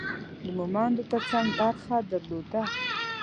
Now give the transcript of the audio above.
د مومندو ترڅنګ برخه درلوده.